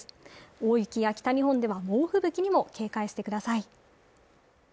大雪や北日本では猛吹雪にも警戒してください。